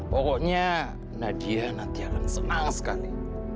pokoknya nadia nanti akan senang sekali